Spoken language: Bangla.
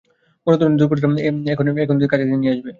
বড় ধরনের দুর্ঘটনা এখন এদের কাছাকাছি নিয়ে আসবে।